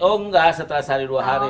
oh enggak setelah sehari dua hari